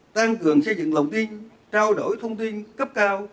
tăng cường xây dựng lòng tin trao đổi thông tin cấp cao